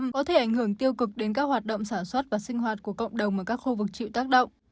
có thể ảnh hưởng tiêu cực đến các hoạt động sản xuất và sinh hoạt của cộng đồng ở các khu vực chịu tác động